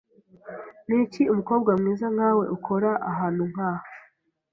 Niki umukobwa mwiza nkawe ukora ahantu nkaha?